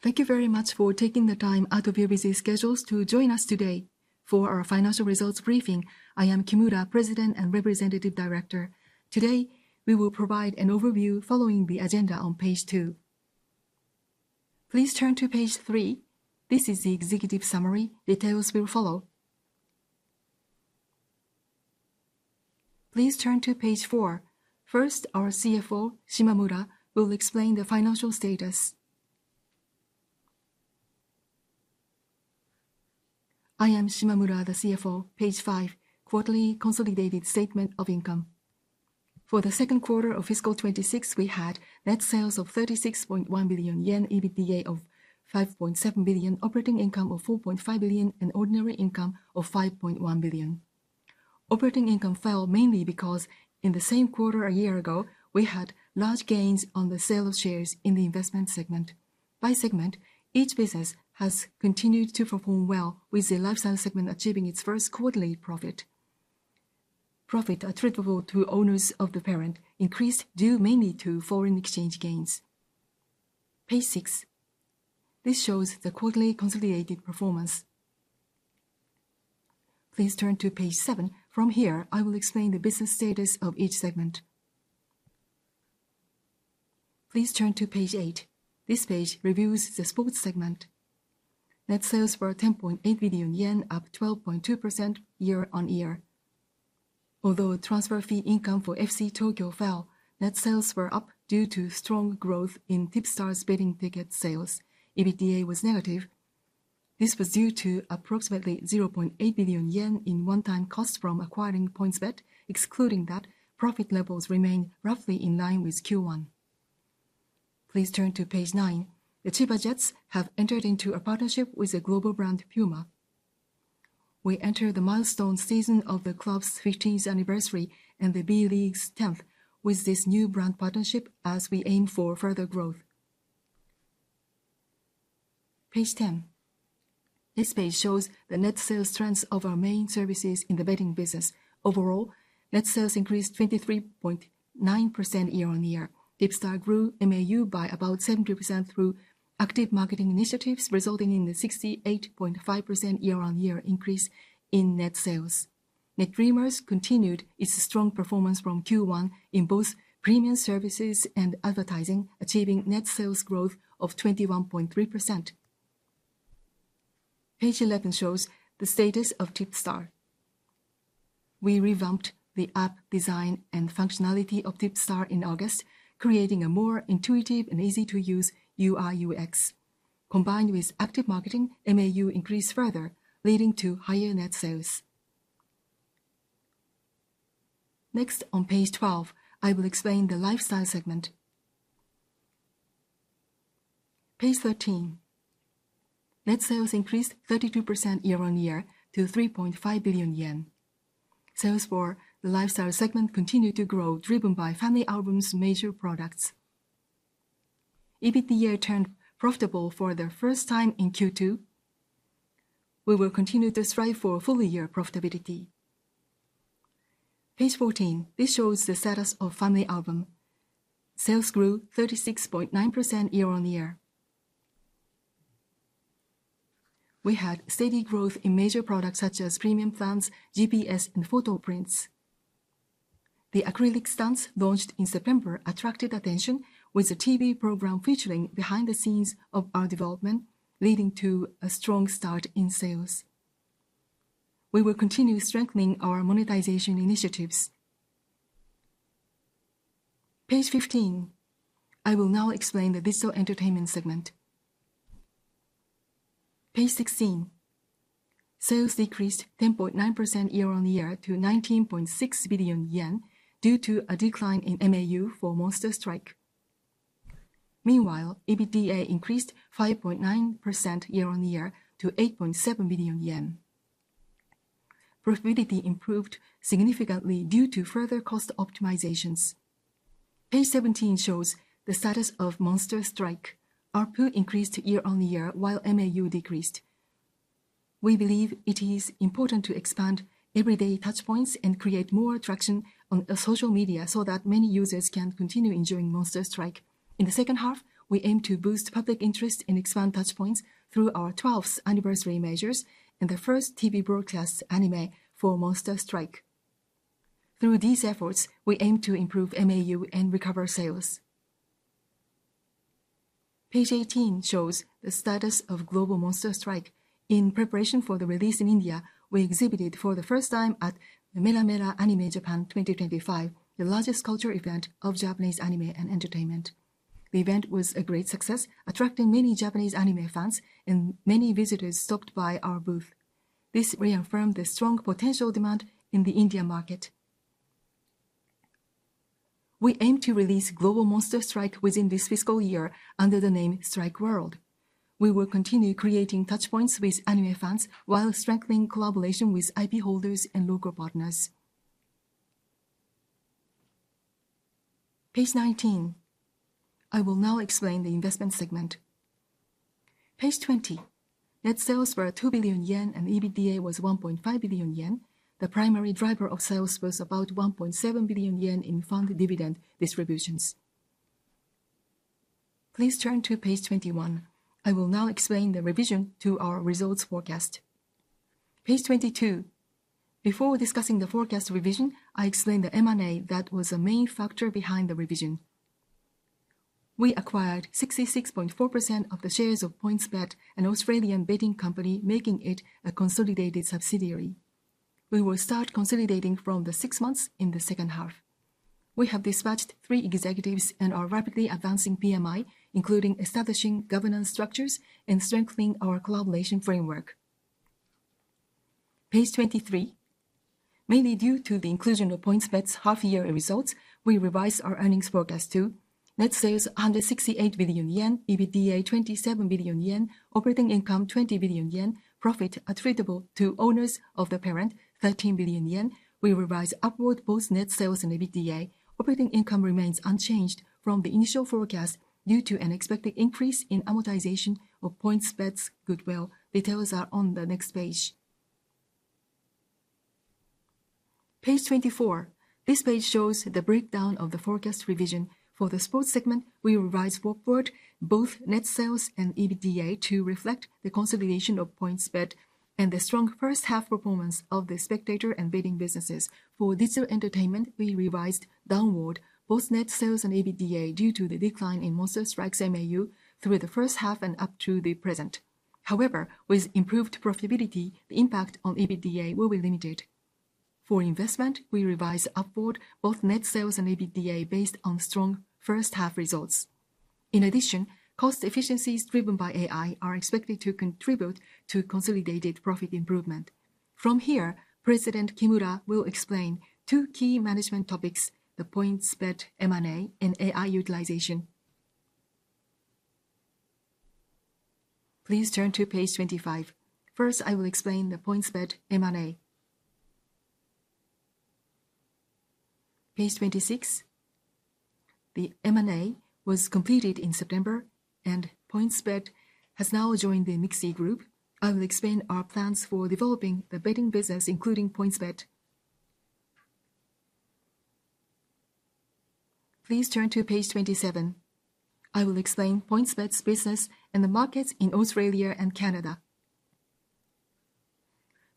Thank you very much for taking the time out of your busy schedules to join us today. For our financial results briefing, I am Kimura, President and Representative Director. Today, we will provide an overview following the agenda on page 2. Please turn to page 3. This is the executive summary. Details will follow. Please turn to page 4. First, our CFO, Shimamura, will explain the financial status. I am Shimamura, the CFO. Page 5: Quarterly Consolidated Statement of Income. For the second quarter of fiscal 2026, we had net sales of 36.1 billion yen, EBITDA of 5.7 billion, operating income of 4.5 billion, and ordinary income of 5.1 billion. Operating income fell mainly because in the same quarter a year ago, we had large gains on the sale of shares in the investment segment. By segment, each business has continued to perform well, with the lifestyle segment achieving its first quarterly profit. Profit attributable to owners of the parent increased due mainly to foreign exchange gains. Page 6. This shows the quarterly consolidated performance. Please turn to page 7. From here, I will explain the business status of each segment. Please turn to page 8. This page reviews the sports segment. Net sales were 10.8 billion yen, up 12.2% year on year. Although transfer fee income for FC Tokyo fell, net sales were up due to strong growth in TIPSTAR's betting ticket sales. EBITDA was negative. This was due to approximately 0.8 billion yen in one-time cost from acquiring PointsBet, excluding that profit levels remained roughly in line with Q1. Please turn to page 9. The Chiba Jets have entered into a partnership with the global brand Puma. We enter the milestone season of the club's 15th anniversary and the B.League's 10th with this new brand partnership, as we aim for further growth. Page 10. This page shows the net sales strength of our main services in the betting business. Overall, net sales increased 23.9% year on year. TIPSTAR grew MAU by about 70% through active marketing initiatives, resulting in a 68.5% year-on-year increase in net sales. Net Dreamers continued its strong performance from Q1 in both premium services and advertising, achieving net sales growth of 21.3%. Page 11 shows the status of TIPSTAR. We revamped the app design and functionality of TIPSTAR in August, creating a more intuitive and easy-to-use UI/UX. Combined with active marketing, MAU increased further, leading to higher net sales. Next, on page 12, I will explain the lifestyle segment. Page 13. Net sales increased 32% year-on-year to 3.5 billion yen. Sales for the lifestyle segment continued to grow, driven by FamilyAlbum's major products. EBITDA turned profitable for the first time in Q2. We will continue to strive for full-year profitability. Page 14. This shows the status of FamilyAlbum. Sales grew 36.9% year-on-year. We had steady growth in major products such as premium plans, GPS, and photo prints. The acrylic stands launched in September attracted attention, with the TV program featuring behind the scenes of our development, leading to a strong start in sales. We will continue strengthening our monetization initiatives. Page 15. I will now explain the digital entertainment segment. Page 16. Sales decreased 10.9% year-on-year to 19.6 billion yen due to a decline in MAU for Monster Strike. Meanwhile, EBITDA increased 5.9% year-on-year to 8.7 billion yen. Profitability improved significantly due to further cost optimizations. Page 17 shows the status of Monster Strike. ARPU increased year-on-year, while MAU decreased. We believe it is important to expand everyday touchpoints and create more traction on social media so that many users can continue enjoying Monster Strike. In the second half, we aim to boost public interest and expand touchpoints through our 12th anniversary measures and the first TV broadcast anime for Monster Strike. Through these efforts, we aim to improve MAU and recover sales. Page 18 shows the status of global Monster Strike. In preparation for the release in India, we exhibited for the first time at the Mela! Mela! Anime Japan 2025, the largest culture event of Japanese anime and entertainment. The event was a great success, attracting many Japanese anime fans, and many visitors stopped by our booth. This reaffirmed the strong potential demand in the Indian market. We aim to release global Monster Strike within this fiscal year under the name Strike World. We will continue creating touchpoints with anime fans while strengthening collaboration with IP holders and local partners. Page 19. I will now explain the investment segment. Page 20. Net sales were 2 billion yen, and EBITDA was 1.5 billion yen. The primary driver of sales was about 1.7 billion yen in fund dividend distributions. Please turn to page 21. I will now explain the revision to our results forecast. Page 22. Before discussing the forecast revision, I explained the M&A that was a main factor behind the revision. We acquired 66.4% of the shares of PointsBet, an Australian betting company, making it a consolidated subsidiary. We will start consolidating from the six months in the second half. We have dispatched three executives and are rapidly advancing PMI, including establishing governance structures and strengthening our collaboration framework. Page 23. Mainly due to the inclusion of PointsBet's half-year results, we revised our earnings forecast to: net sales 168 billion yen, EBITDA 27 billion yen, operating income 20 billion yen, profit attributable to owners of the parent 13 billion yen. We revised upward both net sales and EBITDA. Operating income remains unchanged from the initial forecast due to an expected increase in amortization of PointsBet's goodwill. Details are on the next page. Page 24. This page shows the breakdown of the forecast revision. For the sports segment, we revised upward both net sales and EBITDA to reflect the consolidation of PointsBet and the strong first-half performance of the spectator and betting businesses. For digital entertainment, we revised downward both net sales and EBITDA due to the decline in Monster Strike's MAU through the first half and up to the present. However, with improved profitability, the impact on EBITDA will be limited. For investment, we revised upward both net sales and EBITDA based on strong first-half results. In addition, cost efficiencies driven by AI are expected to contribute to consolidated profit improvement. From here, President Kimura will explain two key management topics: the PointsBet M&A and AI utilization. Please turn to page 25. First, I will explain the PointsBet M&A. Page 26. The M&A was completed in September, and PointsBet has now joined the MIXI Group. I will explain our plans for developing the betting business, including PointsBet. Please turn to page 27. I will explain PointsBet's business and the markets in Australia and Canada.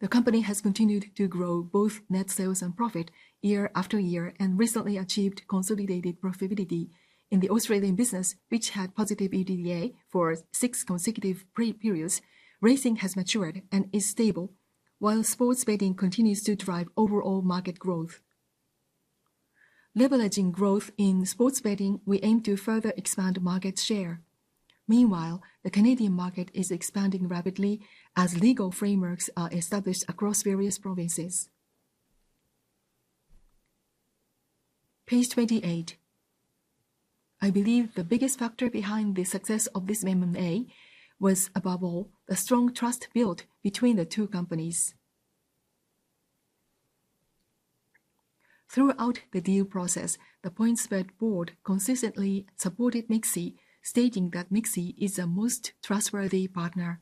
The company has continued to grow both net sales and profit year after year and recently achieved consolidated profitability. In the Australian business, which had positive EBITDA for six consecutive periods, racing has matured and is stable, while sports betting continues to drive overall market growth. Leveraging growth in sports betting, we aim to further expand market share. Meanwhile, the Canadian market is expanding rapidly as legal frameworks are established across various provinces. Page 28. I believe the biggest factor behind the success of this M&A was, above all, the strong trust built between the two companies. Throughout the deal process, the PointsBet board consistently supported MIXI, stating that MIXI is the most trustworthy partner.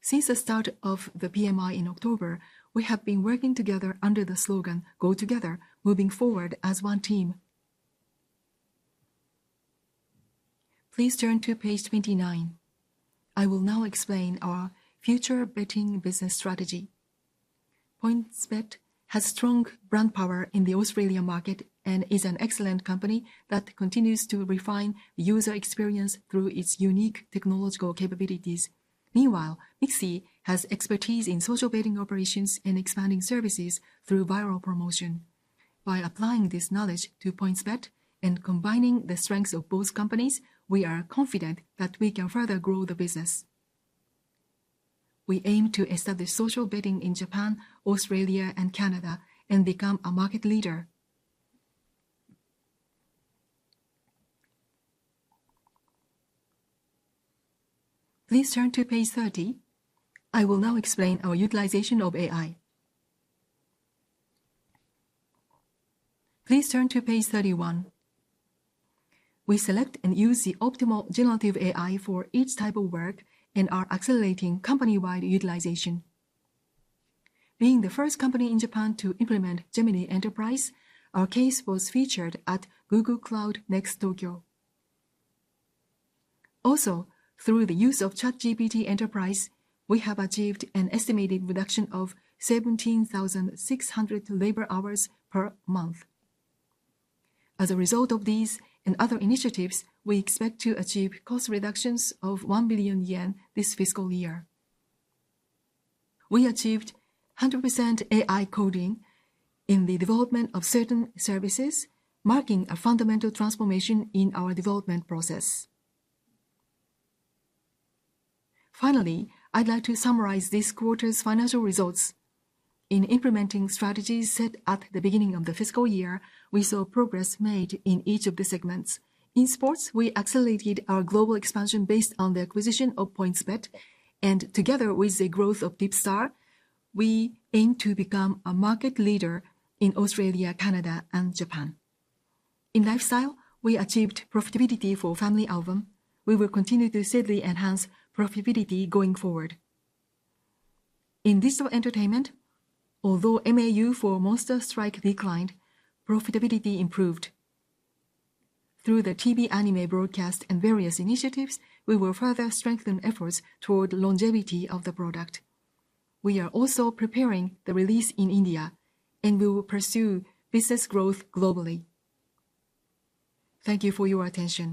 Since the start of the PMI in October, we have been working together under the slogan, "Go together, moving forward as one team." Please turn to page 29. I will now explain our future betting business strategy. PointsBet has strong brand power in the Australian market and is an excellent company that continues to refine user experience through its unique technological capabilities. Meanwhile, MIXI has expertise in social betting operations and expanding services through viral promotion. By applying this knowledge to PointsBet and combining the strengths of both companies, we are confident that we can further grow the business. We aim to establish social betting in Japan, Australia, and Canada and become a market leader. Please turn to page 30. I will now explain our utilization of AI. Please turn to page 31. We select and use the optimal generative AI for each type of work and are accelerating company-wide utilization. Being the first company in Japan to implement Gemini Enterprise, our case was featured at Google Cloud Next Tokyo. Also, through the use of ChatGPT Enterprise, we have achieved an estimated reduction of 17,600 labor hours per month. As a result of these and other initiatives, we expect to achieve cost reductions of 1 billion yen this fiscal year. We achieved 100% AI coding in the development of certain services, marking a fundamental transformation in our development process. Finally, I'd like to summarize this quarter's financial results. In implementing strategies set at the beginning of the fiscal year, we saw progress made in each of the segments. In sports, we accelerated our global expansion based on the acquisition of PointsBet, and together with the growth of TIPSTAR, we aim to become a market leader in Australia, Canada, and Japan. In lifestyle, we achieved profitability for FamilyAlbum. We will continue to steadily enhance profitability going forward. In digital entertainment, although MAU for Monster Strike declined, profitability improved. Through the TV anime broadcast and various initiatives, we will further strengthen efforts toward longevity of the product. We are also preparing the release in India, and we will pursue business growth globally. Thank you for your attention.